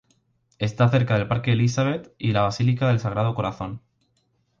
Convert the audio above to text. Está cerca del Parque Elizabeth y la Basílica del Sagrado Corazón.